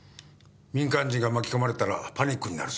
民間人が巻き込まれたらパニックになるぞ。